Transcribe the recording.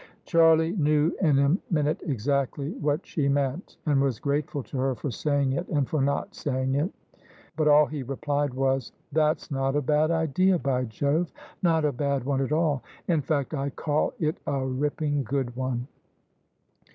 Charlie knew in a minute exactly what she meant: and was grateful to her for saying it and for not saying it. But all he replied was, "That's not a bad idea, by Jove, not a bad one at all ! In fact, I call it a ripping good one."